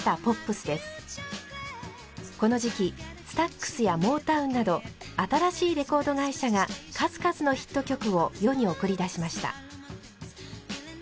この時期スタックスやモータウンなど新しいレコード会社が数々のヒット曲を世に送り出しました。